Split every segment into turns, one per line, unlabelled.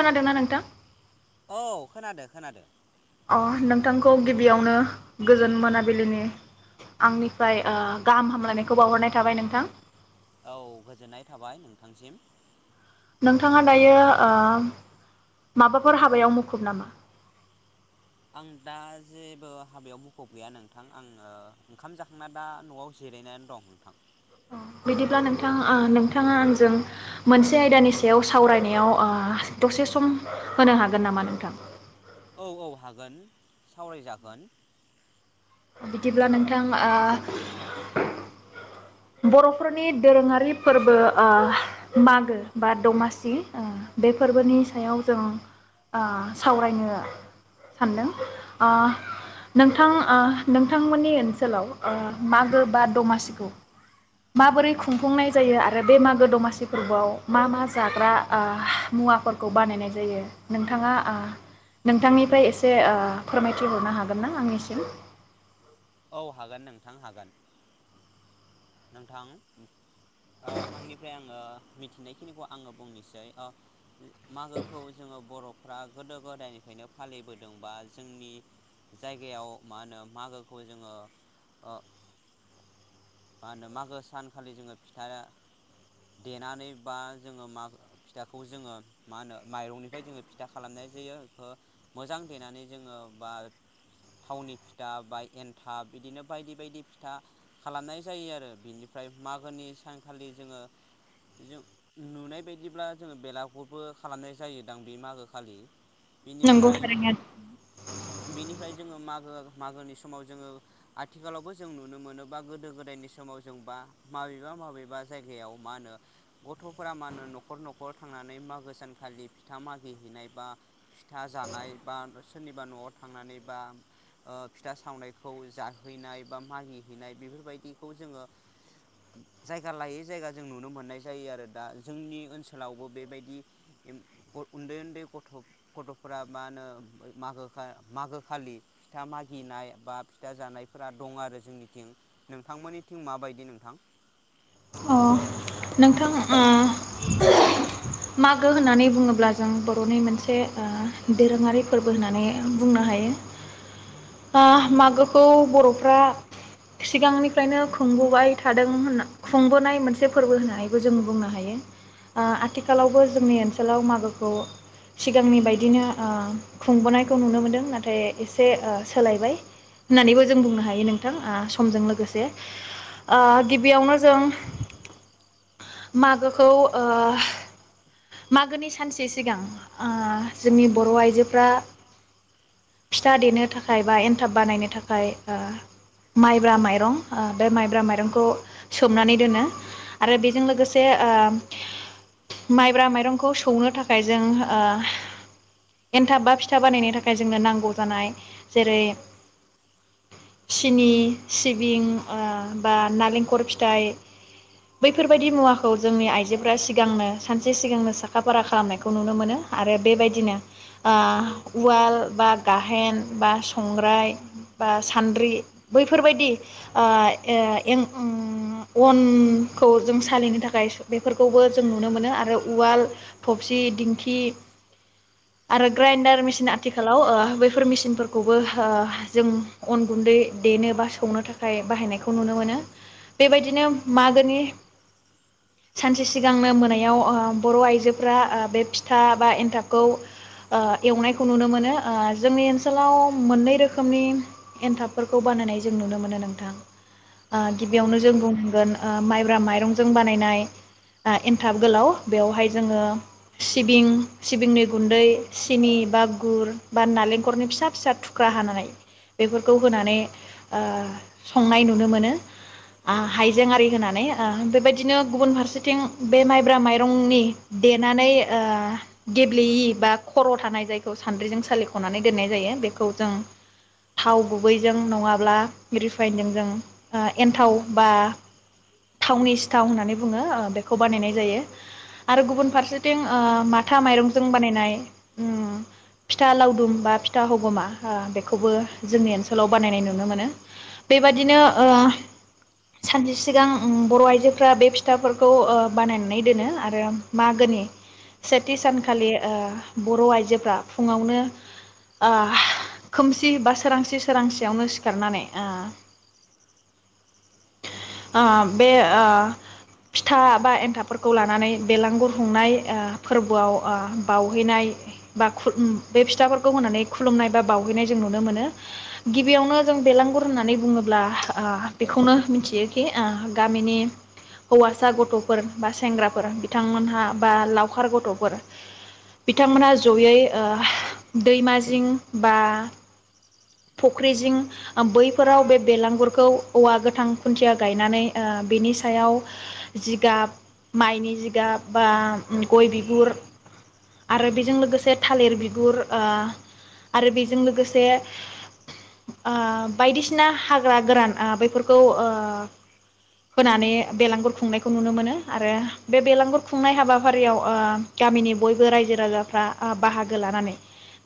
खोनादोंना नोंथां
औ खोनादों खोनादों
अ नोंथांखौ गिबियावनो गोजोन मोनाबिलिनि आंनिफ्राय ओ गाहाम हामलायनायखौ बावहरनाय थाबाय नोंथां
औ गोजोननाय थाबाय नोंथांसिम
नोंथाङा दायो ओ माबाफोर हाबायाव मुखुब नामा
आं दा जेबो हाबायाव मुखुब गैया नोंथां आङो ओंखाम जाखांना दा न'आव जिरायनानै दं नोंथां
बिदिब्ला नोंथां नोंथाङा आंजों मोनसे आयदानि सायाव सावरायनायाव ओ दसे सम होनो हागोन नामा नोंथां
औ औ हागोन सावरायजागोन
बिदिब्ला नोंथां ओ बर'फोरनि दोरोङारि फोरबो ओ मागो बा दमासि ओ बे फोरबोनि सायाव जों ओ सावरायनो सानदों ओ नोंथां ओ नोंथांमोननि ओनसोलाव ओ मागो बा दमासिखौ माबोरै खुंफुंनाय जायो आरो बे मागो दमासि फोरबोआव मा मा जाग्रा ओ मुवाफोरखौ बानायनाय जायो नोंथाङा ओ नोंथांनिफ्राय एसे ओ फोरमायथिहरनो हागोन ना आंनिसिम
औ हागोन नोंथां हागोन नोंथां आंनिफ्राय आङो मिथिनायखिनिखौ आङो बुंनोसै आ मागोखौ जोङो बर'फ्रा गोदो गोदायनिफ्रायनो फालिबोदोंबा जोंनि जायगायाव मा होनो मागो खौ जोङो ओ मा होनो मागो सानखालि जोङो फिथा देनानै बा जोङो मो फिथाखौ जोङो मा होनो माइरंनिफ्राय जोङो फिथा खालामनाय जायो ओ मोजां देनानै जोङो बा थावनि फिथा बा एन्थाब बिदिनो बायदि बायदि फिथा खालामनाय जायो आरो बिनिफ्राय मागोनि सानखालि जोङो नुनाय बायदिब्ला जोङो बेलागबो खालामनाय जायो दां बे मागो खालि
नंगौ
बिनिफ्राय
थारैनो
बेनिफ्राय जोङो मागो मागोनि समाव जोङो आथिखालावबो जों नुनो मोनोब बा गो गोदो गोदायनि समाव जोंबा माबेबा माबेबा जायगायाव मा होनो गथ'फोरा मा होनो न'खर न'खर थांनानै मागो सानखालि फिथा मागिहैनाय बा फिथा जानाय बा सोरनिबा न'आव थांनानै बा फिथा सावनायखौ जाहैनाय बा मागिहैनाय बेफोरबायदि खौ जोङो जायगा लायै जायगा जों नुनो मोननाय जायो आरो दा जोंनि ओनसोलावबो बेबायदि उन्दै उन्दै गथ' गथ'फोरा मा होनो मोगोखा मागो खालि फिथा मागिनाय बा फिथा जानायफोरा दं आरो जोंनिथिं नोंथांमोननिथिं माबायदि नोंथां
अ नोंथां ओ मागो होननानै बुङोब्ला जों बर'नि मोनसे ओ दोरोङारि फोरबो होननानै बुंनो हायो ओ मागोखौ बर'फ्रा सिगांनिफ्रायनो खुंबोबाय थादों होनना खुंबोनाय मोनसे फोरबो होननानैबो जों बुंनो हायो ओ आथिखालावबो जोंनि ओनसोलाव मागोखौ सिगांनि बायदिनो ओ खुंबोनायखौ नुनो मोनदों नाथाय एसे ओ सोलायबाय होननानैबो जों बुंनो हायो नोंथां ओ समजों लोगोसे ओ गिबियावनो जों मागोखौ ओ मागोनि सानसे सिगां ओ जोंनि बर' आइजोफ्रा फिथा देनो थाखाय बा एन्थाब बानायनो थाखाय ओ माइब्रा माइरं बे माइब्रा माइरंखौ सोमनानै दोनो आरो बेजों लोगोसे ओ माइब्रा माइरंखौ सौनो थाखाय जों ओ एन्थाब बा फिथा बानायनो थाखाय जोंनो नांगौ जानाय जेरै सिनि सिबिं ओ बा नालेंखर फिथाइ बैफोरबायाददि मुवाखौ जोंनि आइजोफोरा सिगांनो सानसे सिगांनो साखा फारा खालामनायखौ नुनो मोनो आरो बेबायदिनो उवाल बा गाहेन बा संग्राय बा सान्द्रि बैफोरबायदि आं ओ आं अनखौ जों सालिनो थाखाय बेफोरखौबो जों नुनो मोनो आरो उवाल थफसि दिंखि आरो ग्राइन्डार मेसिन आथि खालाव ओ बैफोर मेसिनफोरखौबो ओ जों अन गुन्दै देनो बा सौनो थाखाय बाहायनायखौ नुनो मोनो बेबायदिनो मागोनि सानसे सिगांनो मोनायाव ओ बर' आइजोफोरा बे फिथा बा एन्थाबखौ ओ एवनायखौ नुनो मोनो नो ओ जोंनि ओनसोलाव मोननै रोखोमनि एनथाबफोरखौ बानायनाय जों नुनो मोनो नोंथां ओ
औ
गिबियावनो जों बुंगोन ओ माइब्रा माइरंजों बानायनाय एन्थाब गोलाव बेवहाय जोङो सिबिं सिबिंनि गुन्दै सिनि बा गुर बा नालेंखरनि फिसा फिसा थुख्रा हानानै बेफोरखौ होनानै ओ संनाय नुनो मोनो हाइजें आरि होनानै बेबायदिनो गुबुन फारसेथिं बे माइब्रा माइरंनि देनानै ओ गेब्लेयि बा खर' थानाय जायखौ सान्द्रिजों सा सालिख'नानै दोननाय जायो बेखौ जों थाव गुबैजों नङाब्ला रिफाइनजों जों ओ एन्थाव बा थावनि सिथाव होननानै बुङो ओ बेखौ बानायनाय जायो आरो गुबुन फारसेथिं ओ माथा माइरंजों बानायनाय उम फिथा लावदुम बा फिथा हगमा बेखौबो जोंनि ओनसोलाव बानायनाय नुनो मोनो बेबादिनो ओ सानसे सिगां उम बर' आइजोफ्रा बे फिथाफोरखौ ओ बानायनानै दोनो आरो मागोनि सेथि सानखालि आ बर' आइजोफ्रा फुङावनो आ खोमसि बा सोरांसि सोरांसियावनो सिखारनानै आ आ बे आ फिथा बा एन्थाबफोरखौ लानानै बेलांगुर हुंनाय आ फोरबोआव आ बावहैनाय बा बे फिथाफोरखौ होनानै खुलुमनाय बा बाहैनाय जों नुनो मोनो गिबियावनो जों बेलांगुर होननानै बुङोब्ला आ बेखौनो मिथियोखि ओ गामिनि हौवासा गथ'फोर बा सेंग्राफोर बिथांमोनहा बा लावखार गथ'फोर बिथांमोनहा जयै दैमाजिं बा फुख्रि जिं बैफोराव बे बेलांगुरखौ औवा गोथां खुन्थिया गायनानै बेनि सायाव जिगाब माइनि जिगाब बा गय बिगुर आरो बेजों लोगोसे थालिर बिगुर आरो बेजों लोगोसे आ बायदिसिना हाग्रा गोरान बेफोरखौ होनानै बेलांगुर खुंनायखौ नुनो मोनो आरो बे बेलांगुर खुंनाय हाबाफारियाव गामिनि बयबो रायजो राजाफ्रा बाहागो लानानै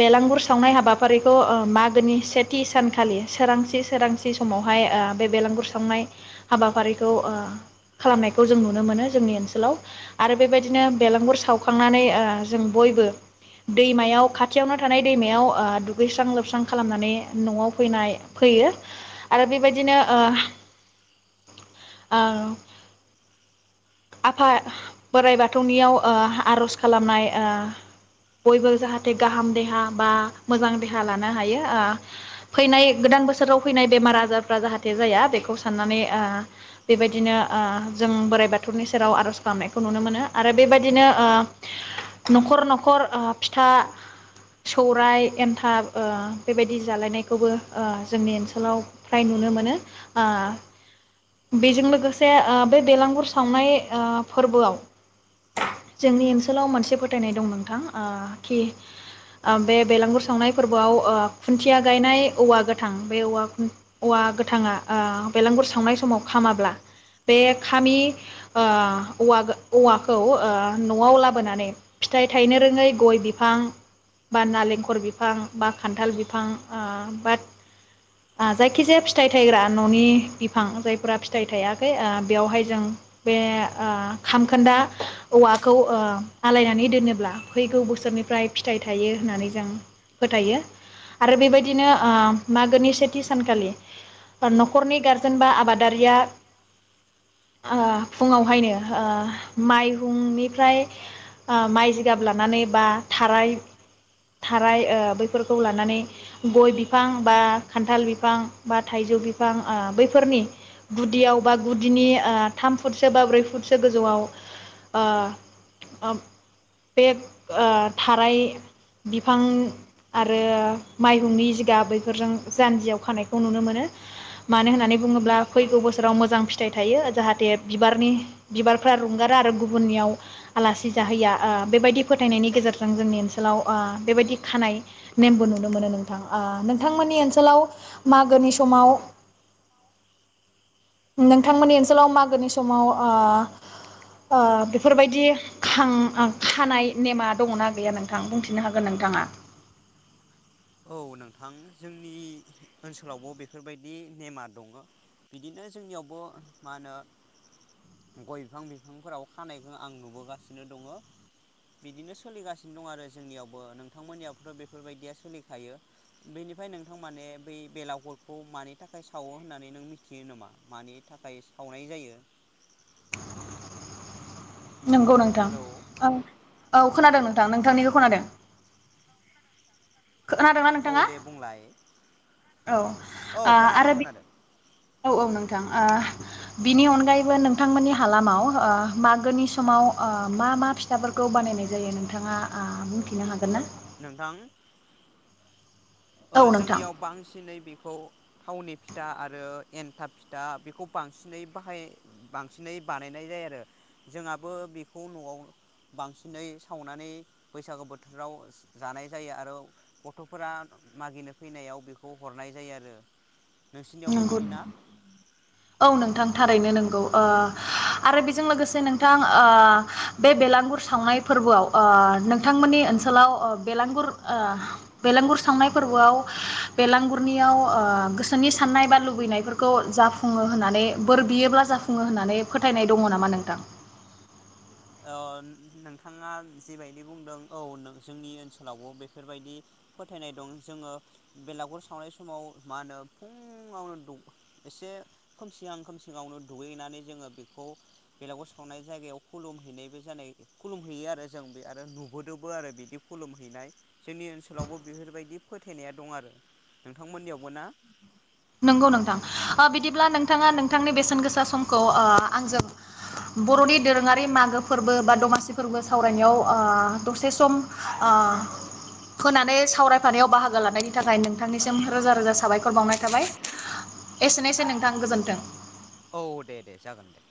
बेलांगुर सावनाय हाबाफारिखौ मा गोनि सेथि सानखालि सोरांसि सोरांसि समावहाय बे बेलांगुर सावनाय हाबाफारिखौ खालामनायखौ जों नुनो मोनो जोंनि ओनसोलाव आरो बेबायदिनो बेलांगुर सावखांनानै जों बयबो दैमायाव खाथियावनो थानाय दैमायाव दुगैस्रां लोबसां खालामनानै न'आव फैनाय फैयो आरो बेबायदिनो आफा बोराइ बाथौनियाव आर'ज खालामनाय बयबो जाहाथे गाहाम देहा बा मोजां देहा लानो हायो फैनाय गोदान बोसोराव फैनाय बेमार आजारफ्रा जाहाथे जाया बेखौ साननानै बेबायदिनो जों बोराइ बाथौ बाथौनि सेराव आर'ज गनायखौ नुनो मोनो आरो बेबायदिनो न'खर न'खर फिथा सौराइ एन्थाब बेबायदि जालायनायखौबो जोंनि ओनसोलाव फ्राय नुनो मोनो बेजों लोगोसे बे बेलांगुर सावनाय फोरबोआव जोंनि ओनसोलाव मोनसे फोथायनाय दं नोंथां कि बे बेलांगुर सावनाय फोरबोआव खुन्थिया गायनाय औवा गोथां बे औवा औवा गोथांआ बेलांगुर सावनाय समाव खामाब्ला बे खामि आ औवा औवाखौ आ न'आव लाबोनानै फिथाइ थायनो रोङै गय बिफां बा नालेंखर बिफां बा खान्थाल बिफां बा जायखिजाया फिथाइ थायग्रा न'नि बिफां जायफोरा फिथाइ थायाखै बेवहाय जों बे खामखोन्दा औवाखौ आलायनानै दोनोब्ला फैगौ बोसोरनिफ्राय फिथाइ थायो होननानै जों फोथायो आरो बेबायदिनो मागोनि सेथि सानखालि न'खरनि गारजेन बा आबादारिया फुङावहायनो माइहुंनिफ्राय माइ जिगाब लानानै बा थाराय थाराय बैफोरखौ लानानै गय बिफां बा खान्थाल बिफां बा थाइजौ बिफां बैफोरनि गुदियाव बा गुदिनि थाम फुटसो बा ब्रै फुटसो गोजौआव बेग थाराय बिफां आरो माइहुंनि जिगाब बैफोरजों जानजियाव खानायखौ नुनो मोनो मानो होननानै बुङोब्ला फैगौ बोसोराव मोजां फिथाइ थायो जाहाथे बिबारनि बिबारफ्रा रुंगारा आरो गुबुननियाव आलासि जाहैया बेबायदि फोथायनायनि गेजेरजों जोंनि ओनसोलाव बेबायदि खानाय नेमबो नुनो मोनो नोंथां नोंथांमोननि ओसोलाव ओनसोलाव मागोनि समाव नोंथांमोननि ओनसोलाव मागोनि समाव बेफोरबायदि खानाय नेमा दङ ना गैया नोंथां बुंथिनो हागोन नोंथाङा
औ नोंथां जोंनि ओनसोलावबो बेफोरबायदि नेमा दङ बिदिनो जोंनियावबो मा होनो गय बिफां बिफांफोराव खानायखौ आं नुबोगासिनो दङ बिदिनो सोलिगासिनो दं आरो जोंनियावबो नोंथांमोननियाबोथ' बेफोरबायदिया सोलि थायो बेनिफ्राय नोंथां माने बै बेलाावगुरखौ मानि थाखाय सावो होननानै नों मिथियो नामा मानि थाखाय सावनाय जायो
नोंगौ नोंथां औ औ खोनादों नोंथां नोंथांनिखौ खोनादों। खोनादोंना
औ
नोंथाङा
दे बुंलाय
औ ओ
औ खोनादो
आरो बि
खोनादो
औ औ नोंथां ओ बिनि अनगायैबो नोंथांमोननि हालामाव मागोनि समाव मा मा फिथाफोरखौ बानायनाय जायो नोंथाङा बुंथिनो हागोन ना?
नोंथां ओ
औ नोंथां
जोंनियाव बांसिनै बे खौ थावनि फिथा आरो एन्थाब फिथा बेखौ बांसिनै बाहाय बांसिनै बानायनाय जायो आरो जोंहाबो बेखौ न'आव बांसिनै सावनानै बैसागु बोथोराव जानाय जायो आरो गथ'फोरा मागिनो फैनायाव बेखौ हरनाय जायो आरो नोंसिनियावबो
नंगौ
बिदिना?
औ नोंथां थारैनो नों औ ओ आरो बेजों लोगोसे नोंथां ओ बे बेलांगुर सावनाय फोरबोआव ओ नोंथांमोननि ओनसोलाव ओ बेलांगुर ओ बेलांगुर सावनाय फोरबोआव ओ बेलांगुरनियाव गोसोनि साननाय बा लुबैनायफोरखौ जाफुङो होननानै बोर बियोब्ला जाफुङो होननानै फोथायनाय दङ नामा नोंथां?
ओ नोंथाङा जिबायदि बुंदों औ जोंनि ओनसोलावबो बेफोरबायदि फोथायनाय दं जोङो बेलागुर सावनाय समाव मा होनो फुङावनो एसे खोमसिहां खोमसिङावनो दुगैनानै जोङो बेखौ बेलागर सावनाय जायगायाव खुलुम हैनायबो जानाय खुलुम हैैयो आरो जों बे आरो नुबोदोंबो आरो बिदि खुलुम हैैनाय जोंनि ओनसोलावबो बेफोरबायदि फोथायनाया दं आरो नोंथांमोननियावबो ना?
नंगौ नोंथां ओ बिदिब्ला नोंथाङा नोंथांनि बेसेन गोसा समखौ ओ आंजों बर'नि दोरोङारि मागो फोरबो बा दमासि फोरबो सावरायनायाव ओ दसे सम ओ होनानै सावरायफानायाव बाहागो लानायनि थाखाय नोंथांनिसिम रोजा रोजा साबायखर बावनाय थाबाय एसेनोसै नोंथां गोजोन्थों।
औ दे दे जागोन दे।